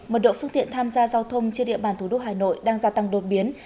mật độ phương tiện tham gia giao thông trên địa bàn thủ đô hà nội đang gia tăng đột biến